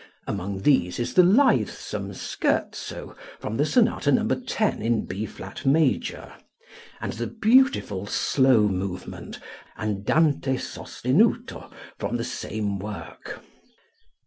Among these is the lithesome scherzo from the sonata No. 10, in B flat major, and the beautiful slow movement (Andante sostenuto) from the same work.